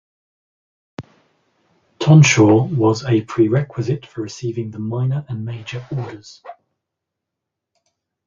Tonsure was a prerequisite for receiving the minor and major orders.